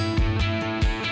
untuk apa ah